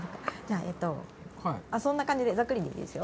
そんな感じで、ざっくりでいいですよ。